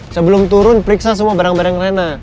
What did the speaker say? sebelum turun periksa semua barang barang rena